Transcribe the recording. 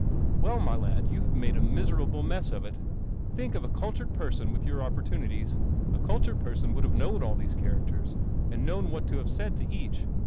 "Well, my lad, : have made a miserable m f it. Think I cultured person with yoUr opportunities! A cultured pen n would have known all these characters and know n what to have said to each.